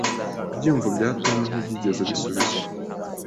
Ibyiyumvo bya Tom ntibyigeze bisubizwa.